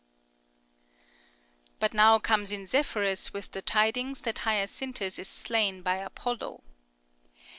But now comes in Zephyrus with the tidings that Hyacinthus is slain by Apollo.